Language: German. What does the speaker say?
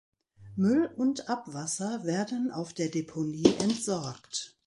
Müll und Abwasser werden auf der Deponie entsorgt.